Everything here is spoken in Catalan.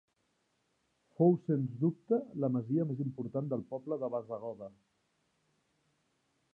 Fou sens dubte la masia més important del poble de Bassegoda.